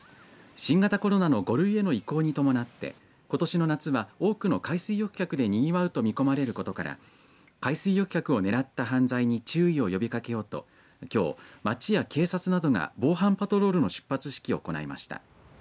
新型コロナの５類への移行に伴ってことしの夏は多くの海水浴客でにぎわうと見込まれることから海水浴客を狙った犯罪に注意を呼びかけようと、きょう町や警察などが防犯パトロールの出発式を行いました。